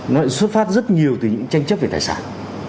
nó lại xuất phát rất nhiều từ những tranh chấp về tài sản